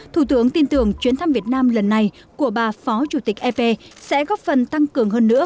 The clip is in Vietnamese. thủ tướng tin tưởng chuyến thăm việt nam lần này của bà phó chủ tịch ep sẽ góp phần tăng cường hơn nữa